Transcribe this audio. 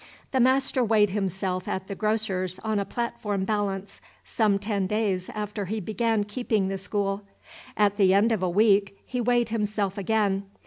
The master weighed himself at the grocer's on a platform balance, some ten days after he began keeping the school. At the end of a week he weighed himself again.